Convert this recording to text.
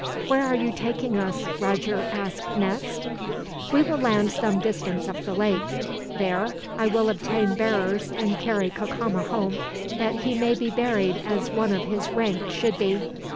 '" "Where are you taking us?" Roger asked next. "We will land some distance up the lake. There I will obtain bearers, and carry Cacama home, that he may be buried as one of his rank should be.